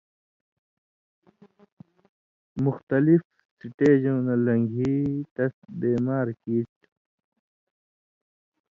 مُختلِف سٹېجؤں نہ لن٘گھی تس بیمار کیریۡ تُھو۔